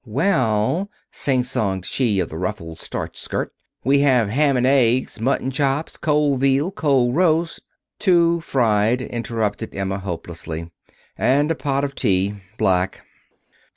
"Well," sing songed she of the ruffled, starched skirt, "we have ham'n aigs, mutton chops, cold veal, cold roast " "Two, fried," interrupted Emma hopelessly, "and a pot of tea black."